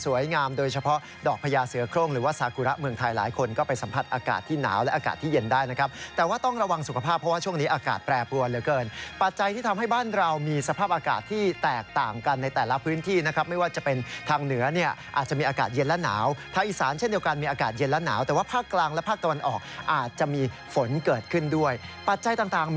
สุขภาพเพราะว่าช่วงนี้อากาศแปรปรวนเหลือเกินปัจจัยที่ทำให้บ้านเรามีสภาพอากาศที่แตกต่างกันในแต่ละพื้นที่นะครับไม่ว่าจะเป็นทางเหนือเนี่ยอาจจะมีอากาศเย็นและหนาวพระอิษฐานเช่นเดียวกันมีอากาศเย็นและหนาวแต่ว่าภาคกลางและภาคตะวันออกอาจจะมีฝนเกิดขึ้นด้วยปัจจัยต่าง